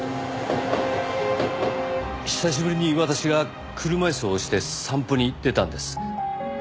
久しぶりに私が車椅子を押して散歩に出たんです。